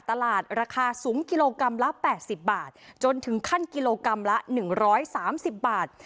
ราคาสูงกิโลกรัมละ๘๐บาทจนถึงขั้นกิโลกรัมละ๑๓๐บาท